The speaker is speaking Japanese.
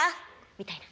みたいな。